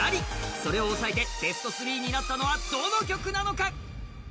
それを抑えてベスト３になったのはどの曲なのか。